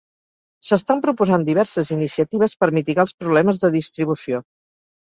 S'estan proposant diverses iniciatives per mitigar els problemes de distribució.